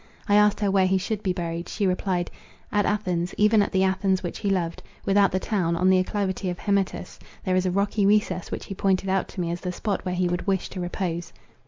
I asked her where he should be buried. She replied, "At Athens; even at the Athens which he loved. Without the town, on the acclivity of Hymettus, there is a rocky recess which he pointed out to me as the spot where he would wish to repose."